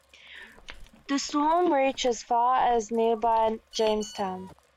The storm reached as far as nearby Jamestown.